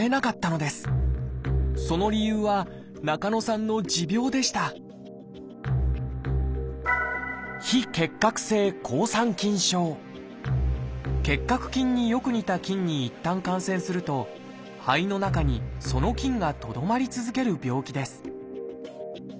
その理由は中野さんの持病でした結核菌によく似た菌にいったん感染すると肺の中にその菌がとどまり続ける病気です